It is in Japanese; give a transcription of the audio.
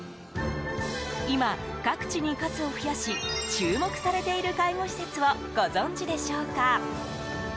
今、各地に数を増やし注目されている介護施設をご存じでしょうか。